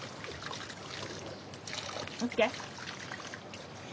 ＯＫ？